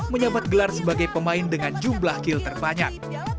menyabat gelar sebagai pemain dengan jumlah kill terbanyak